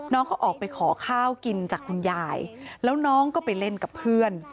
น้องเขาออกไปขอข้าวกินจากคุณยายแล้วน้องก็ไปเล่นกับเพื่อน